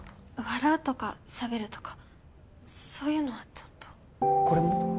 笑うとかしゃべるとかそういうのはちょっとこれも？